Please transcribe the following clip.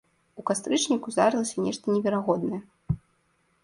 У кастрычніку здарылася нешта неверагоднае.